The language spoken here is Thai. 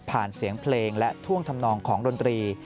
ผ่านเสียงเพลงและท่วงธรรมนองของดนตรี